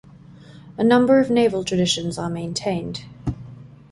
A number of naval traditions are maintained.